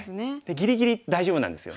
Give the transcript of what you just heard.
ぎりぎり大丈夫なんですよ。